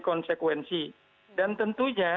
konsekuensi dan tentunya